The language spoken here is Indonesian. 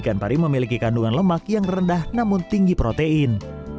ikan pari memiliki kandungan lemak yang rendah namun tinggi protein